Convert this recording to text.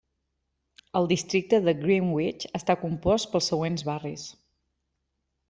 El districte de Greenwich està compost pels següents barris.